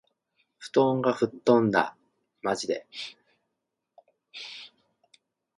布団が吹っ飛んだ。（まじで）